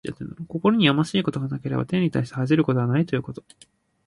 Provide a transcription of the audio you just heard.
心にやましいことがなければ、天に対して恥じることはないということ。